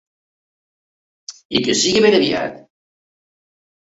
I que sigui ben aviat!